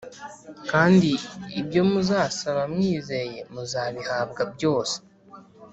Kandi ibyo muzasaba mwizeye muzabihabwa byose.”